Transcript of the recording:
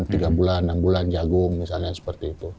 tiga bulan enam bulan jagung misalnya seperti itu